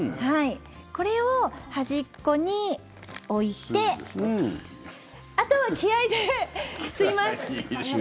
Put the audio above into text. これを端っこに置いてあとは気合で吸います。